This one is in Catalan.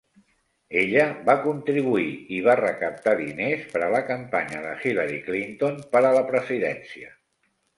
Ella va contribuir i va recaptar diners per a la campanya de Hillary Clinton per a la presidència.